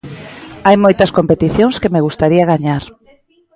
Hai moitas competicións que me gustaría gañar.